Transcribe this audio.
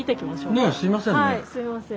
はいすいません。